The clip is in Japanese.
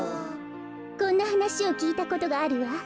こんなはなしをきいたことがあるわ。